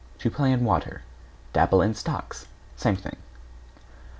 To play in water. =DABBLE IN STOCKS= Same thing.